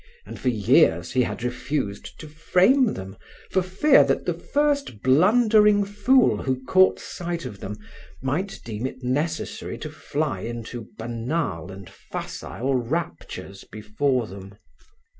And for years he had refused to frame them for fear that the first blundering fool who caught sight of them might deem it necessary to fly into banal and facile raptures before them.